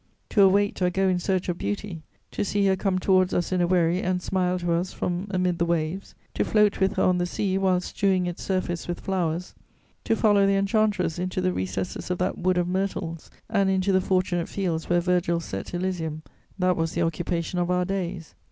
"To await or go in search of beauty; to see her come towards us in a wherry and smile to us from amid the waves; to float with her on the sea, while strewing its surface with flowers; to follow the enchantress into the recesses of that wood of myrtles and into the fortunate fields where Virgil set Elysium; that was the occupation of our days....